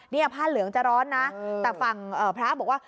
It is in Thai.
นี่ผ้าเหลืองจะร้อนนะแต่ฝั่งพระบอกว่า